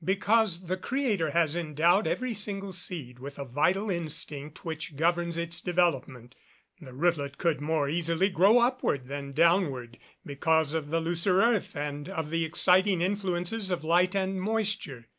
_ Because the Creator has endowed every single seed with a vital instinct which governs its development. The rootlet could more easily grow upward than downward, because of the looser earth, and of the exciting influences of light and moisture.